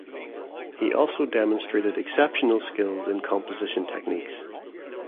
He also demonstrated exceptional skills in composition techniques.